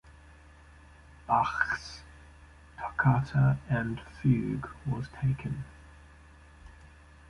Bach's "Toccata and Fugue" was taken.